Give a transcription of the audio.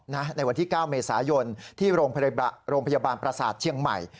ในวันที่๙เมษายนที่โรงพยาบาลประสาทเชียงใหม่